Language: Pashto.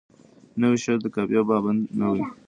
نوی شعر د قافیه پابند نه وي.